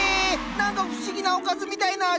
何か不思議なおかずみたいな味！